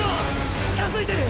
近づいてる！！